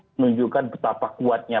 menunjukkan betapa kuatnya